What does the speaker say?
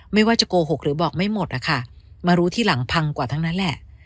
ไม่ว่าจะโกหกหรือบอกไม่หมดนะคะมารู้ทีหลังพังกว่าทั้งนั้นแหละ